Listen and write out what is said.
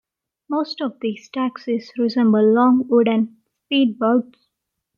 Most of these taxis resemble long wooden speed boats.